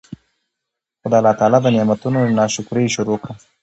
خو د الله تعالی د نعمتونو نا شکري ئي شروع کړه